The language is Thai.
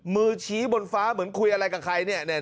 มือชี้บนฟ้าเหมือนคุยอะไรกับใครเนี่ย